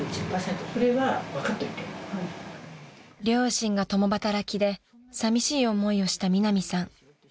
［両親が共働きでさみしい思いをしたミナミさん］